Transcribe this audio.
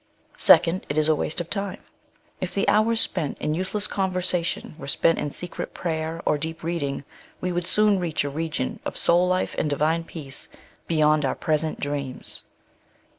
Second, it is a waste of time. If the hours spent in useless conversation were spent in secret prayer, or deep reading, we would soon reach a region of soul life and divine peace be37ond our present dreams.